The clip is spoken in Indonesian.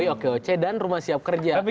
lalu oke oce dan rumah siap kerja